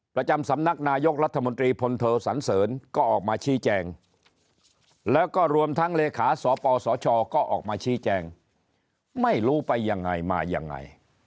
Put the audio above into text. ประจำสำนักนายกรัฐมนตรีพลโทสันเสริญก็ออกมาชี้แจงแล้วก็รวมทั้งเลขาสปสชก็ออกมาชี้แจงไม่รู้ไปยังไงมายังไง